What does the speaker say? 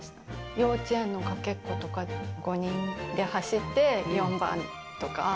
幼稚園のかけっことか、５人で走って４番とか。